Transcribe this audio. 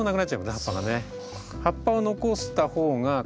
葉っぱがね。